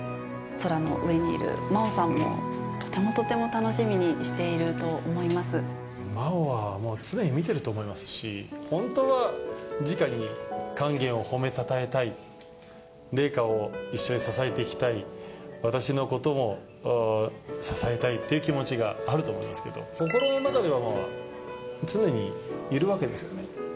空の上にいる麻央さんも、とてもとても楽しみにしていると麻央は、もう常に見ていると思いますし、本当は、じかに勸玄を褒めたたえたい、麗禾を一緒に支えていきたい、私のことも支えたいっていう気持ちがあると思いますけど、心の中ではまあ、常にいるわけですよね。